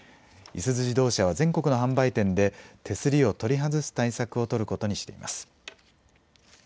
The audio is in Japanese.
いすゞ自動車は全国の販売店で手すりを取り外す対策を取ることにしています。